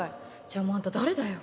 じゃあもうあんた誰だよ。